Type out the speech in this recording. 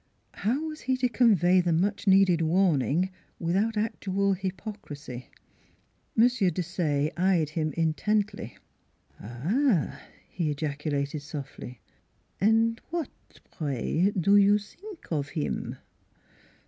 How was he to convey the much needed warning without actual hypocrisy? M. Desaye eyed him intently. 284 NEIGHBORS "Ah h h?" he ejaculated softly. u An' w'at, pray, do you zink of heem?